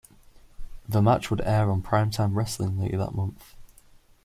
The match would air on Prime Time Wrestling later that month.